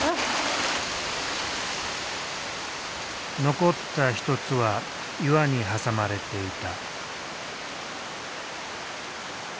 残った１つは岩に挟まれていた。